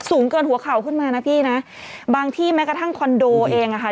สูงเกินหัวเข่าขึ้นมานะพี่นะบางที่แม้กระทั่งคอนโดเองอ่ะค่ะ